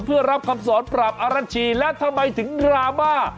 เพื่อรับคำสอนปราบอลชีและทำไมถึงดราม่า